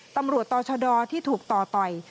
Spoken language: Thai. ตำรวจต่อชะดอที่ถูกต่อต่อย